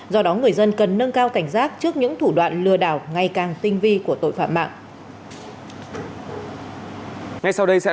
do đó người dân cần nâng cao cảnh giác trước những thủ đoạn lừa đảo ngày càng tinh vi của tội phạm mạng